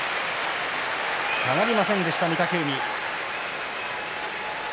下がりませんでした、御嶽海。